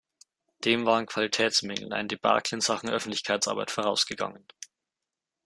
Dem waren Qualitätsmängel und ein Debakel in Sachen Öffentlichkeitsarbeit vorausgegangen.